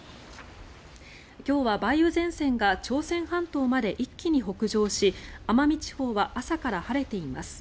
今日は梅雨前線が朝鮮半島まで一気に北上し奄美地方は朝から晴れています。